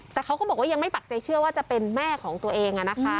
แต่เขาก็บอกว่ายังไม่ปักใจเชื่อว่าจะเป็นแม่ของตัวเอง